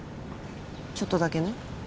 ちょっとだけね